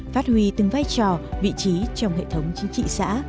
phát huy từng vai trò vị trí trong hệ thống chính trị xã